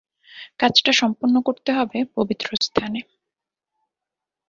কাজটা সম্পন্ন করতে হবে পবিত্র স্থানে।